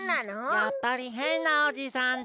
やっぱりへんなおじさんだ。